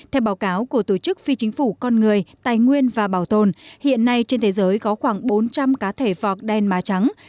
theo báo cáo của tổ chức phi chính phủ con người tài nguyên và bảo tồn hiện nay trên thế giới có khoảng bốn trăm linh cá thể vọc đen má trắng